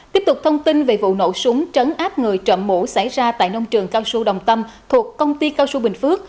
tiếp tục thông tin về vụ nổ súng trấn áp người trộm mũ xảy ra tại nông trường cao xu đồng tâm thuộc công ty cao xu bình phước